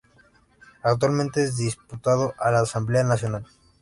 Actualmente es diputado a la Asamblea Nacional.